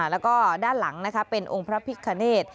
แล้วก็ด้านหลังเป็นองค์พระพิคเนต